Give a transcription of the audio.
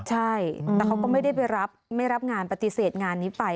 ใช่แต่เขาก็ไม่ได้ไปรับไม่รับงานปฏิเสธงานนี้ไป